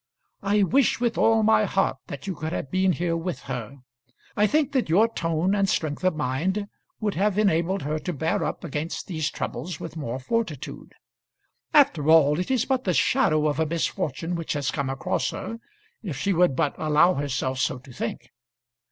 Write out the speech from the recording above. I wish with all my heart that you could have been here with her. I think that your tone and strength of mind would have enabled her to bear up against these troubles with more fortitude. After all, it is but the shadow of a misfortune which has come across her, if she would but allow herself so to think.